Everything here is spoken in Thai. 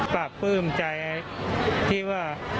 ปรับภูมิใจที่ว่า